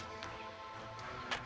ini udah kaget